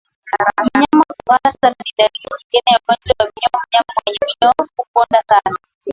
Mnyama kuhara sana ni dalili nyingine ya ugonjwa wa minyoo Mnyama mwenye minyoo hukonda sana